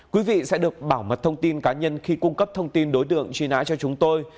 quý vị sẽ được bảo mật thông tin cá nhân khi cung cấp thông tin đối tượng truy nã cho chúng tôi